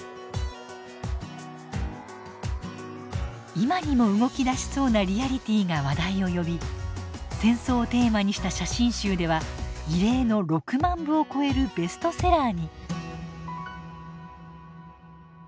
今にも動きだしそうなリアリティーが話題を呼び戦争をテーマにした写真集では異例の６万部を超えるベストセラーに。